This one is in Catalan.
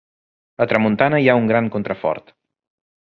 A tramuntana hi ha un gran contrafort.